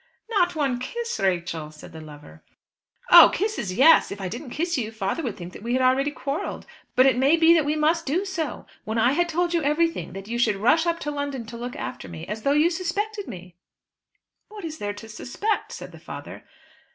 "Not one kiss, Rachel?" said the lover. "Oh, kisses, yes! If I didn't kiss you father would think that we had already quarrelled. But it may be that we must do so. When I had told you everything, that you should rush up to London to look after me as though you suspected me!" "What is there to suspect?" said the father.